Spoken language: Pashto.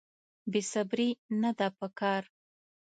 بې صبري نه ده په کار.